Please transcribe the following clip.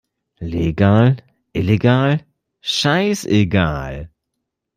Legal, illegal, scheißegal!